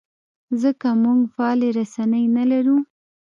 ځکه موږ فعالې رسنۍ نه لرو.